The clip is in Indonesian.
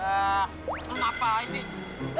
itu si nenek punya duit segitu